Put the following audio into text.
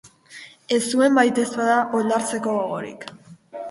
Ez nuen baitezpada oldartzeko gogorik.